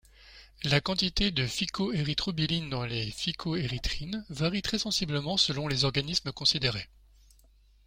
La quantité de phycoérythrobiline dans les phycoérythrines varie très sensiblement selon les organismes considérés.